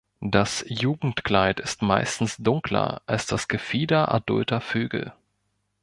Das Jugendkleid ist meistens dunkler als das Gefieder adulter Vögel.